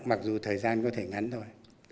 mặc dù thời gian có thể ngắn thôi